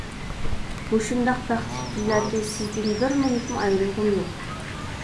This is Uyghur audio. مۇشۇنداق بەختلىك كۈنلەردە سىزدىن بىر مىنۇتمۇ ئايرىلغۇم يوق.